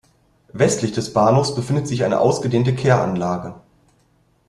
Westlich des Bahnhofs befindet sich eine ausgedehnte Kehranlage.